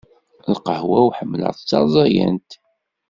Lqahwa-w, ḥemmleɣ-tt d tarẓagant.